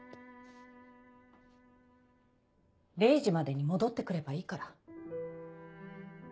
０時までに戻って来ればいいから。